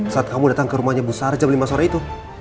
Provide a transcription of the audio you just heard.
saat kamu datang ke rumahnya besar jam lima sore itu